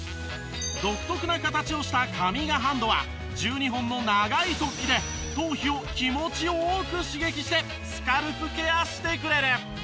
独特な形をしたカミガハンドは１２本の長い突起で頭皮を気持ち良く刺激してスカルプケアしてくれる。